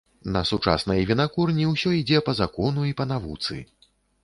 На сучаснай вінакурні ўсё ідзе па закону і па навуцы.